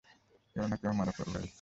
কেউ না কেউ মারা পরবেই!